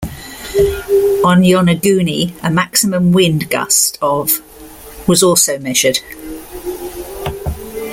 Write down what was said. On Yonaguni, a maximum wind gust of was also measured.